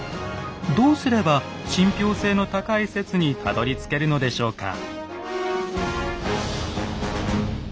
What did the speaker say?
どうすれば信ぴょう性の高い説にたどりつけるのでしょうか？